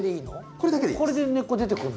これで根っこ出てくるの？